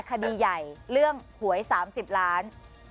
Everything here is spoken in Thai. คดีใหญ่เรื่องหวย๓๐ล้าน